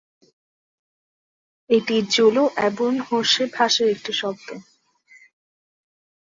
এটি জুলু এবং হোসে ভাষার একটি শব্দ।